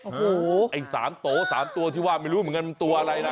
โอ้โหไอ้๓โต๓ตัวที่ว่าไม่รู้เหมือนกันมันตัวอะไรนะ